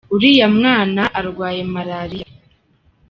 uriya mwana arwaye malariya.